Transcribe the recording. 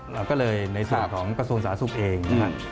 เราก็เลยในส่วนของกระทรวณสาสุกเอง